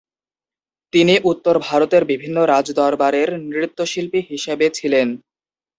তিনি উত্তর ভারতের বিভিন্ন রাজদরবারের নৃত্যশিল্পী হিসেবে ছিলেন।